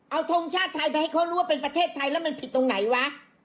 เอาทงชาติไทยไปให้เขารู้ว่าเป็นประเทศไทยแล้วมันผิดตรงไหนวะ